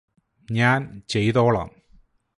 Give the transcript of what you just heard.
ഞാന് ചെയ്തോളാം